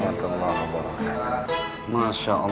waalaikumsalam warahmatullahi wabarakatuh